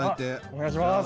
お願いします。